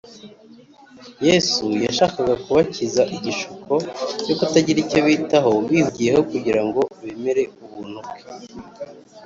yesu yashakaga kubakiza igishuko cyo kutagira icyo bitaho bihugiyeho kugira ngo bemere ubuntu bwe